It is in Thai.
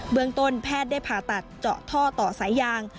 เมืองต้นแพทย์ได้ผ่าตัดเจาะท่อต่อสายยาง